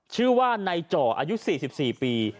ชื่อว่านายจ่ออายุ๔๔ปี